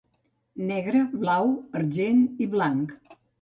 Negre, blau, argent i blanc.